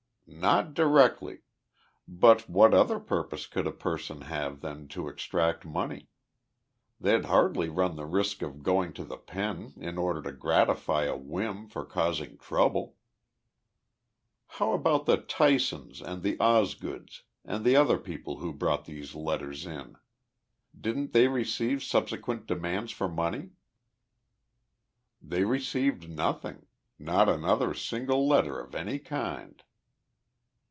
"Not directly but what other purpose could a person have than to extract money? They'd hardly run the risk of going to the pen in order to gratify a whim for causing trouble." "How about the Tysons and the Osgoods and the other people who brought these letters in didn't they receive subsequent demands for money?" "They received nothing not another single letter of any kind."